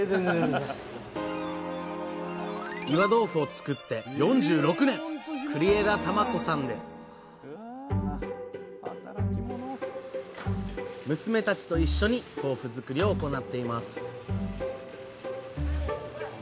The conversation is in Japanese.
岩豆腐を作って４６年娘たちと一緒に豆腐作りを行っています